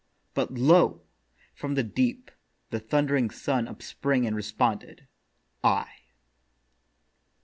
But lo! from the Deep The Thundering Sun upsprang and responded, I.